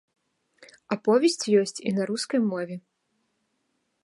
Аповесць ёсць і на рускай мове.